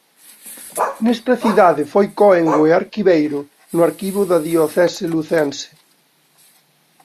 Nesta cidade foi cóengo e arquiveiro no arquivo da diocese lucense.